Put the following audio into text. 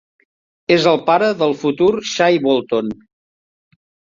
És el pare del futur Shai Bolton.